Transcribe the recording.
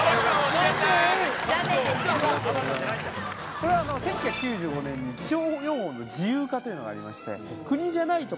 これは１９９５年に「気象予報の自由化」というのがありまして国じゃない所